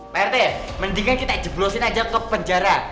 pak rt mendingan kita jeblosin aja ke penjara